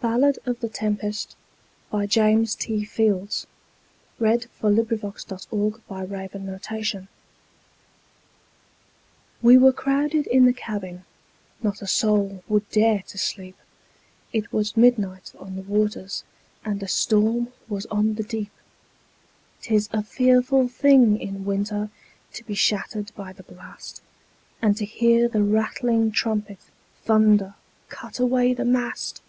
C D . E F . G H . I J . K L . M N . O P . Q R . S T . U V . W X . Y Z Ballad of the Tempest WE were crowded in the cabin, Not a soul would dare to sleep, It was midnight on the waters, And a storm was on the deep. 'Tis a fearful thing in winter To be shattered by the blast, And to hear the rattling trumpet Thunder, "Cut away the mast!"